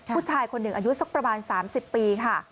ผู้ชายคนหนึ่งอายุสักประมาณ๓๐ปีค่ะ